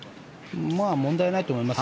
問題ないと思います。